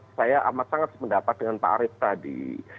saya amat sangat sependapat dengan pak arief tadi